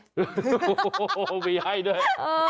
โอ้โหมีให้ด้วย